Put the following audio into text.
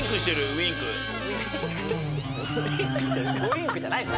ウインクじゃないです。